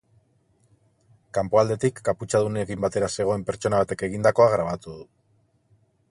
Kanpoaldetik, kaputxadunekin batera zegoen pertsona batek egindakoa grabatu du.